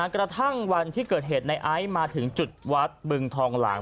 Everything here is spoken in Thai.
กระทั่งวันที่เกิดเหตุในไอซ์มาถึงจุดวัดบึงทองหลาง